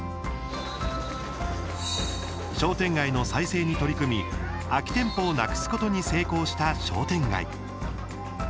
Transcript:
商店街の再生に取り組み空き店舗をなくすことに成功した商店街。